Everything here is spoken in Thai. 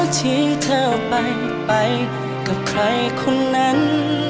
ทิ้งเธอไปไปกับใครคนนั้น